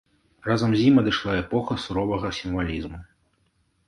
Разам з ім адышла эпоха суровага сімвалізму.